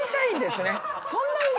そんな。